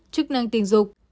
chức năng tình dục